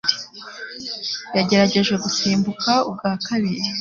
Yagerageje gusimbuka ubwa kabiri.